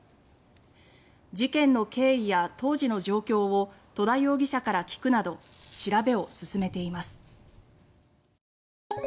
事件の経緯や当時の状況を戸田容疑者から聞くなど調べを進めています。